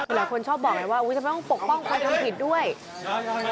หลายคนชอบบอกไงว่าอุ้ยทำไมต้องปกป้องคนทำผิดด้วย